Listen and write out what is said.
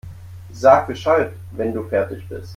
Sag Bescheid, wenn du fertig bist.